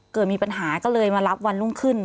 เกิดมีปัญหาก็เลยมารับวันรุ่งขึ้น